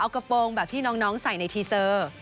กระโปรงแบบที่น้องใส่ในทีเซอร์